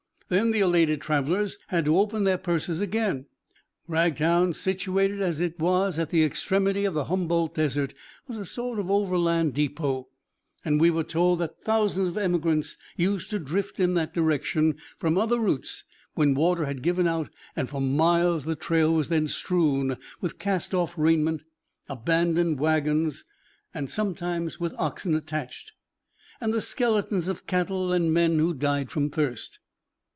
Then the elated travelers had to open their purses again. Ragtown, situated as it was at the extremity of the Humboldt Desert, was a sort of overland depot, and we were told that thousands of emigrants used to drift in that direction from other routes when water had given out and for miles the trail was then strewn with cast off raiment, abandoned wagons, sometimes with oxen attached, and the skeletons of cattle and men who died from thirst.